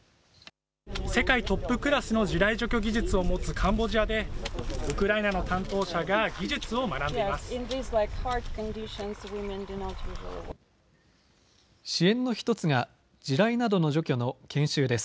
世界トップクラスの地雷除去技術を持つカンボジアでウクライナの担当者が技術を学んでいます。